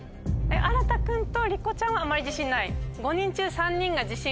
あらた君とりこちゃんはあんまり自信ない？